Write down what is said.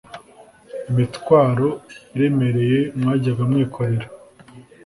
imitwaro iremereye mwajyaga mwikorera